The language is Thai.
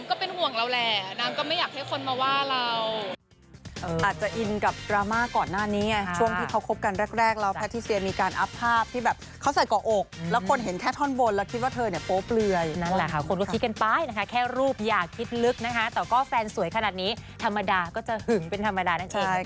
ก็เป็นห่วงเราแหละนางก็ไม่อยากให้คนมาว่าเรา